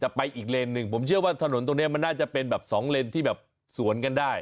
ไปอีกเลนหนึ่งผมเชื่อว่าถนนตรงนี้มันน่าจะเป็นแบบสองเลนที่แบบสวนกันได้